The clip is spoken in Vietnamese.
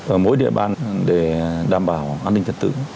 ở mỗi địa bàn để đảm bảo an ninh trật tự